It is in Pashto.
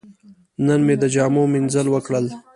نن مې د جامو مینځل وکړل.